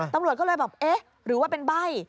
ตำรวจก็เลยแบบเอ๊ะหรือว่าเป็นใบ้